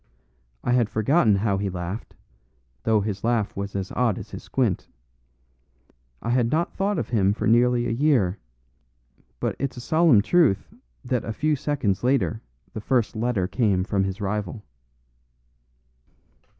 I had forgotten how he laughed, though his laugh was as odd as his squint. I had not thought of him for nearly a year. But it's a solemn truth that a few seconds later the first letter came from his rival."